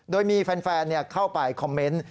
โดยมีแฟนเข้าไปคอมเมนต์